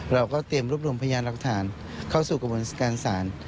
เราก็เตรียมรวบรวมพยานหลักฐานเข้าสู่กระบวนการศาล